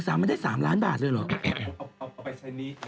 เอาไปใช้หนี้